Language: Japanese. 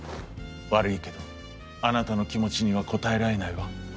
「悪いけどあなたの気持ちには応えられないわ」。